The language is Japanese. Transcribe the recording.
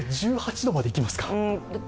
１８度までいきますか？